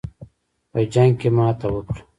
په جنګ کې ماته وکړه.